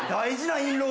インロー！